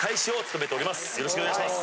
よろしくお願いします。